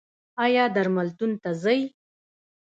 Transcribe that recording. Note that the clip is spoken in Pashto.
ایا درملتون ته ځئ؟